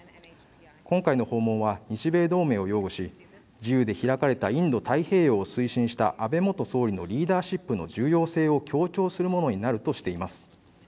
今回の訪問は日米同盟を擁護し自由で開かれたインド太平洋を推進した安倍元総理のリーダーシップの重要性を強調するものになるとしています